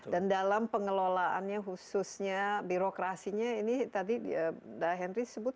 dan dalam pengelolaannya khususnya birokrasinya ini tadi mbak henry sebut